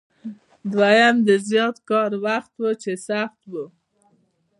دویم د زیات کار وخت و چې سخت و.